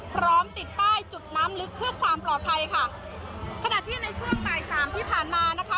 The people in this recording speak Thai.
พร้อมติดป้ายจุดน้ำลึกเพื่อความปลอดภัยค่ะขณะที่ในช่วงบ่ายสามที่ผ่านมานะคะ